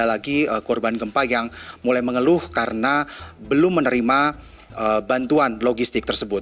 ada lagi korban gempa yang mulai mengeluh karena belum menerima bantuan logistik tersebut